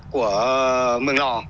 của mường lò